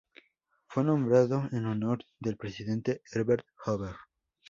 Fue nombrada en honor del presidente Herbert Hoover.